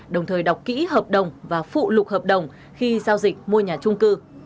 đồng thời đọc kỹ hợp đồng và phụ lục hợp đồng khi giao dịch mua nhà trung cư